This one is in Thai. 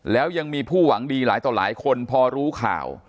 แล้วยังมีผู้หวังดีหลายต่อหลายคนพอรู้ข่าว